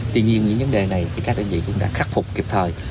tuy nhiên những vấn đề này thì các đơn vị cũng đã khắc phục kịp thời